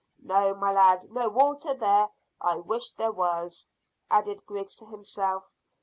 "No, my lad; no water there. I wish there was," added Griggs to himself.